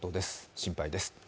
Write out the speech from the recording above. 心配です。